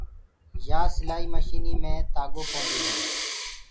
يآ سِلآئي مشني مي تآگو پوندي هي۔